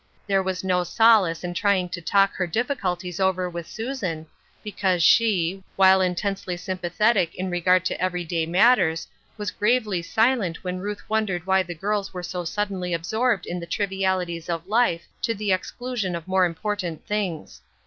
There was no solace in trying to talk her difficulties over with Susan, because she, while intensely sympathetic in regard to every* 898 Ruth Ershines Crosses, day matteis, was gravely silent when Ruth won dered why the giiis were so suddenly absorbed in the trivialities of life to the exclusion of more important thinjs.